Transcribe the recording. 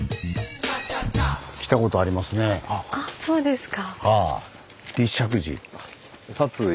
あっそうですか。